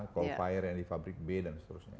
coal fire yang di fabrik b dan seterusnya